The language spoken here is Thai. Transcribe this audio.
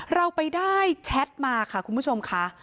เราไปได้แชทมาค่ะคุณผู้ชมค่ะ